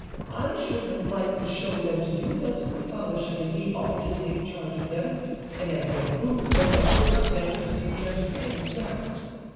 I should have liked to show them to you, but Father Chavigny offered to take charge of them, and as he had approved of them, I could not venture to suggest any doubts.